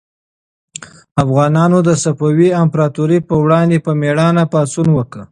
افغانانو د صفوي امپراطورۍ پر وړاندې په مېړانه پاڅون وکړ.